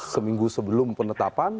seminggu sebelum penetapan